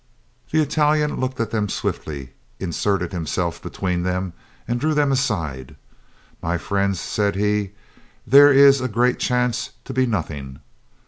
The Italian looked at them swiftly, inserted him self between them, and drew them aside. "My friends," said he, "there is a great chance to be nothing.